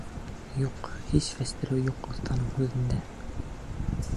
Юҡ, һис фәстереү юҡ оҫтаның һүҙендә.